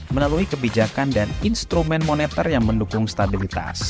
melalui kebijakan dan instrumen moneter yang mendukung stabilitas